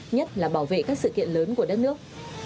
nhất là bảo vệ các sự kiện lớn của đất nước